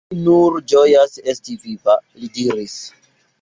Mi nur ĝojas esti viva, – li diris.